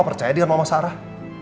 papa tidak pernah menyesal